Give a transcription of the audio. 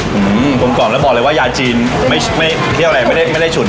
หือผมก่อนแล้วบอกเลยว่ายาจีนไม่ไม่แค่อะไรไม่ได้ไม่ได้ฉุน